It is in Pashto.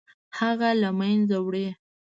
هغه له منځه وړي.